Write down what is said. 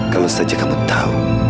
kalau saja kamu tahu